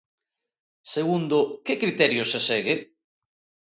Segundo, que criterios se segue?